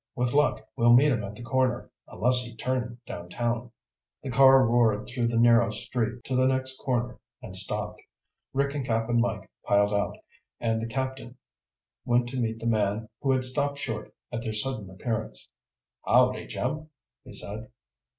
"With luck, we'll meet him at the corner, unless he turned downtown." The car roared through the narrow street to the next corner and stopped. Rick and Cap'n Mike piled out, and the Captain went to meet the man who had stopped short at their sudden appearance. "Howdy, Jim," he said.